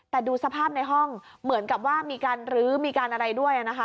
แต่ดูสภาพในห้องเหมือนกับว่ามีการลื้อมีการอะไรด้วยนะคะ